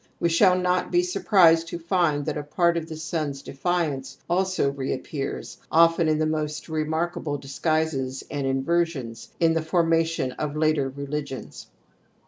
We shall not be surprised to find that a part of the son's defiance also reappears, often in the most remarkable disguises and inversions, in the formation of later religions.